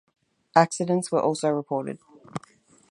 Accidents were also reported.